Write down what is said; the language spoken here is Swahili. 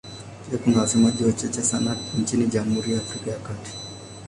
Pia kuna wasemaji wachache sana nchini Jamhuri ya Afrika ya Kati.